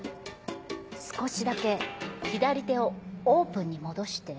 少しだけ左手をオープンに戻して。